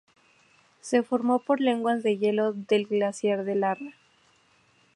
Se formó por lenguas de hielo del glaciar de Larra.